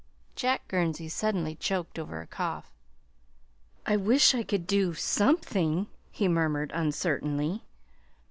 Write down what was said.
Jack Gurnsey suddenly choked over a cough. "I wish I could do something," he murmured uncertainly.